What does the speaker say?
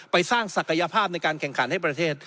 สร้างศักยภาพในการแข่งขันให้ประเทศ